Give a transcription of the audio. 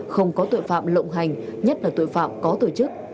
không có tội phạm lộng hành nhất là tội phạm có tổ chức